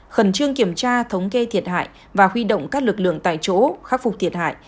khẩn trương kiểm tra thống kê thiệt hại và huy động các lực lượng tại chỗ khắc phục thiệt hại